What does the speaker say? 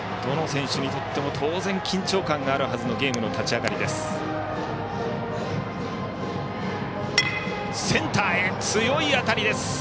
どの選手にとっても当然、緊張感があるはずのゲームの立ち上がりです。